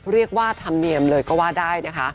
เรียกว่าธรรมเนียมเลยก็ว่าได้นะคะ